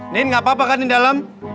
nin apa apa kan di dalam